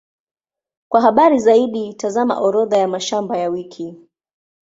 Kwa habari zaidi, tazama Orodha ya mashamba ya wiki.